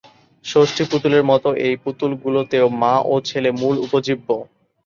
ষষ্ঠী পুতুলের মতো এই পুতুল গুলো তেও মা ও ছেলে মূল উপজীব্য।